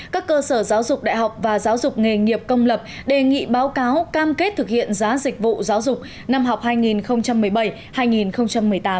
các cơ sở giáo dục đại học và giáo dục nghề nghiệp công lập đề nghị báo cáo cam kết thực hiện giá dịch vụ giáo dục năm học hai nghìn một mươi bảy hai nghìn một mươi tám